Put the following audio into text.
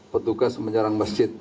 petugas menyerang masjid